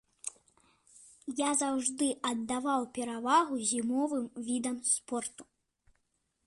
Я заўжды аддаваў перавагу зімовым відам спорту.